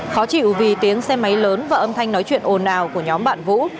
khó chịu vì tiếng xe máy lớn và âm thanh nói chuyện ồn ào của nhóm bạn vũ